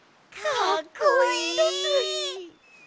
かっこいいです。